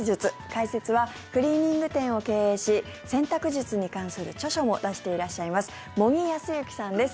解説はクリーニング店を経営し洗濯術に関する著書も出していらっしゃいます茂木康之さんです。